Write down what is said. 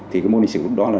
thì cái môn lịch sử đó là